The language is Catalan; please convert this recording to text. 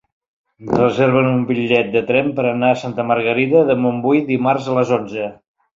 Reserva'm un bitllet de tren per anar a Santa Margarida de Montbui dimarts a les onze.